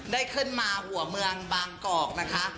ได้ขึ้นมาหัวเมืองบางกอกนะคะ